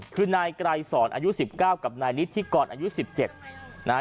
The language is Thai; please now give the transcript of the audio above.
คือนายไกรสอนอายุ๑๙กับนายนิธิกรอายุ๑๗นะฮะ